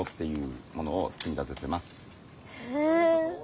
へえ。